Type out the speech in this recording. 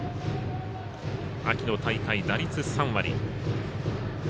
秋の大会、打率３割。